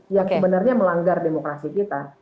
yang sebenarnya melanggar demokrasi kita